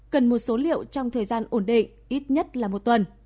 cần một số liệu trong thời gian ổn định ít nhất là một tuần